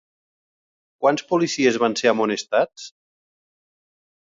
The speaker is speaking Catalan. Quants policies van ser amonestats?